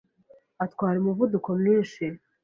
Atwara umuvuduko mwinshi.